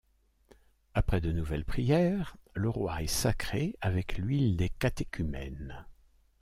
Après de nouvelles prières, le roi est sacré avec l'huile des catéchumènes.